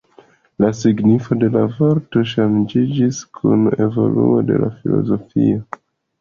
La signifo de la vorto ŝanĝiĝis kun evoluo de la filozofio.